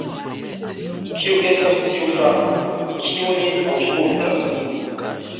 Kiu estas tiu _Franko_, kiu nin aŭskultas?